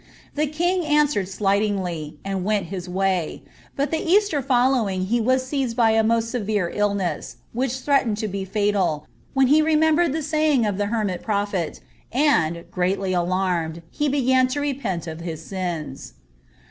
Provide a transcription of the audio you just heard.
The king answered slightingly, and went his way ; bnt the Eaeier (<A lowing he was seized with a moat severe illness, which threatened to bt &tal, when he remembered the saying of the henntt prophet, nml, graUy alarmed, he began to repent of his sins."